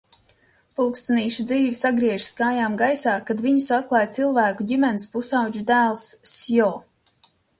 Pulkstenīšu dzīve sagriežas kājām gaisā, kad viņus atklāj cilvēku ģimenes pusaudžu dēls Sjo.